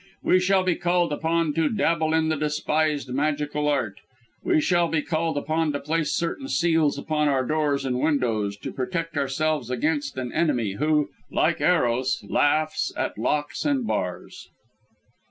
We shall be called upon to dabble in the despised magical art; we shall be called upon to place certain seals upon our doors and windows; to protect ourselves against an enemy, who, like Eros, laughs at locks and bars."